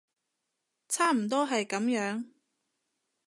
差唔多係噉樣